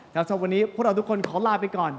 สำหรับวันนี้พวกเราทุกคนขอลาไปก่อน